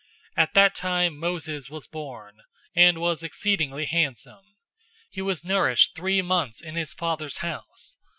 007:020 At that time Moses was born, and was exceedingly handsome. He was nourished three months in his father's house.